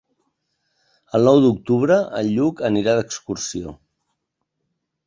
El nou d'octubre en Lluc anirà d'excursió.